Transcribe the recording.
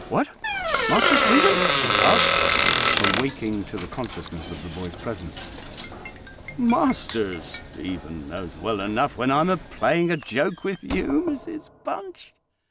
"What! Master Stephen?" said Parkes, awaking to the consciousness of the boy's presence. "Master Stephen knows well enough when I'm a playing a joke with you, Mrs Bunch."